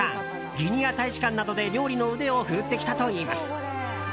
ギニア大使館などで、料理の腕を振るってきたといいます。